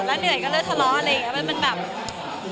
แล้วเหนื่อยก็เลยทะเลาะอะไรอย่างนี้มันแบบ